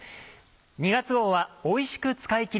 ２月号はおいしく使いきり。